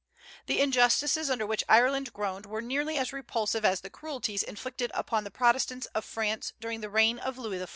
The injustices under which Ireland groaned were nearly as repulsive as the cruelties inflicted upon the Protestants of France during the reign of Louis XIV.